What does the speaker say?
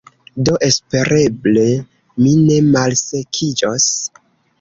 Do espereble mi ne malsekiĝos